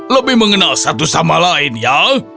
lebih mengenal satu sama lain ya